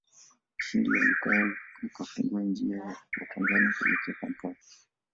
Ushindi wa Lukaya ukafungua njia kwa Tanzania kuelekea Kampala